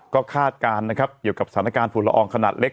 ก็คาดการณ์นะครับเกี่ยวกับสถานการณ์ฝุ่นละอองขนาดเล็ก